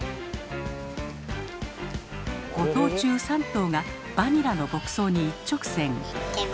５頭中３頭が「バニラ」の牧草に一直線。